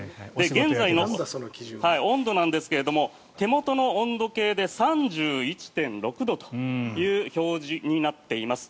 現在の温度なんですが手元の温度計で３１．６度という表示になっています。